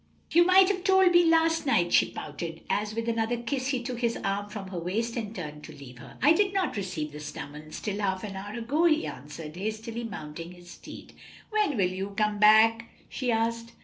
"You might have told me last night," she pouted, as with another kiss he took his arm from her waist and turned to leave her. "I did not receive the summons till half an hour ago," he answered, hastily mounting his steed. "When will you come back?" she asked.